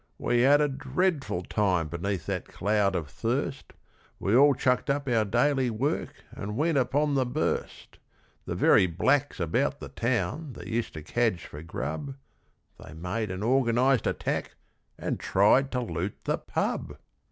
we had a dreadful time beneath that cloud of thirst! We all chucked up our daily work and went upon the burst. The very blacks about the town that used to cadge for grub, They made an organised attack and tried to loot the pub.